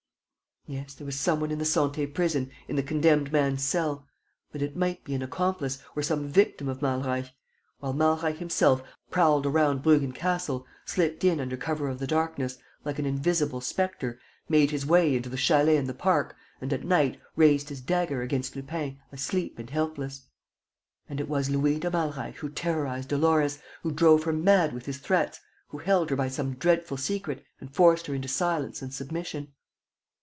Yes, there was some one in the Santé prison, in the condemned man's cell. But it might be an accomplice or some victim of Malreich ... while Malreich himself prowled around Bruggen Castle, slipped in under cover of the darkness, like an invisible spectre, made his way into the chalet in the park and, at night, raised his dagger against Lupin asleep and helpless. And it was Louis de Malreich who terrorized Dolores, who drove her mad with his threats, who held her by some dreadful secret and forced her into silence and submission.